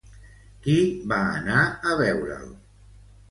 Qui va anar a veure'l?